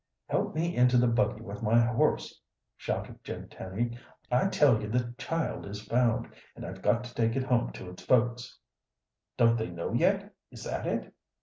"Help me into the buggy with my horse!" shouted Jim Tenny. "I tell you the child is found, and I've got to take it home to its folks." "Don't they know yet? Is that it?"